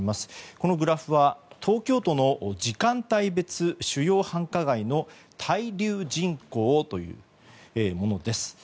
このグラフは東京都の時間帯別主要繁華街の滞留人口というものです。